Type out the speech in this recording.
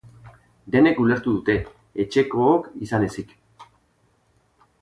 Denek ulertu dute, etxekook izan ezik.